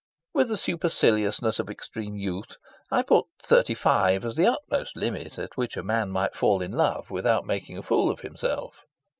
With the superciliousness of extreme youth, I put thirty five as the utmost limit at which a man might fall in love without making a fool of himself.